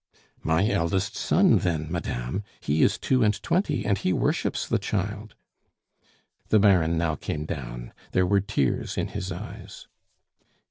"My eldest son, then madame! He is two and twenty, and he worships the child." The Baron now came down; there were tears in his eyes.